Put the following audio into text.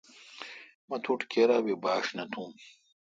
مہ توٹھ کیرا بی باݭ نہ تھون۔